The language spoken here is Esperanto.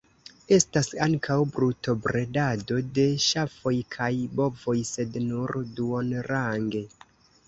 Estas ankaŭ brutobredado de ŝafoj kaj bovoj sed nur duonrange.